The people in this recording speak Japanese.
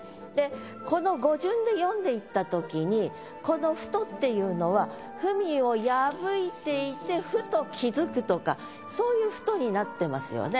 この語順で読んでいったときにこの「ふと」っていうのは文を破いていて。とかそういう「ふと」になってますよね。